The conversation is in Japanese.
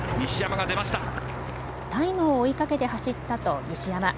タイムを追いかけて走ったと西山。